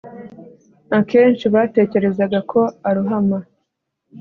Akenshi batekerezaga ko arohama